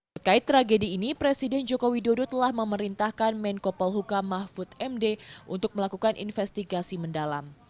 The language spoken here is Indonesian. berkait tragedi ini presiden joko widodo telah memerintahkan menko polhuka mahfud md untuk melakukan investigasi mendalam